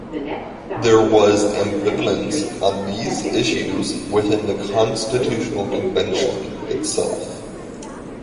There was ambivalence on these issues within the constitutional convention itself.